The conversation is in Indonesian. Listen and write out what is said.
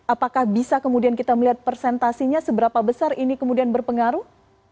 apakah bisa kemudian kita melihat persentasenya seberapa besar ini kemudian berpengaruh